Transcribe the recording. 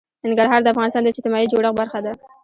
ننګرهار د افغانستان د اجتماعي جوړښت برخه ده.